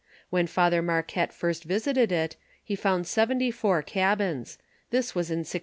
When Father Marquette first visited it, he found seventy four cabins: this was in 1673.